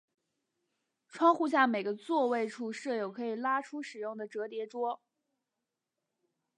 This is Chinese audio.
窗户下每个座位处设有可以拉出使用的折叠桌。